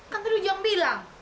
venng ternyata ujang bilang